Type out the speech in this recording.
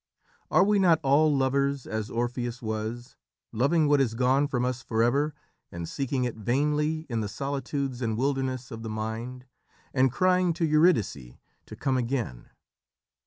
"Are we not all lovers as Orpheus was, loving what is gone from us forever, and seeking it vainly in the solitudes and wilderness of the mind, and crying to Eurydice to come again?